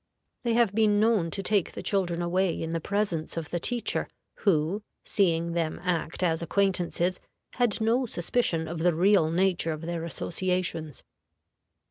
They have been known to take the children away in the presence of the teacher, who, seeing them act as acquaintances, had no suspicion of the real nature of their associations.